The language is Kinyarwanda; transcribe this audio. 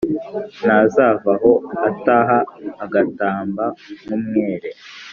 Ntazavaho ataha Agatamba nk’umwere?